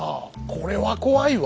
これは怖いわ。